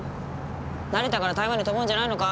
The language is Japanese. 成田から台湾に飛ぶんじゃないのか？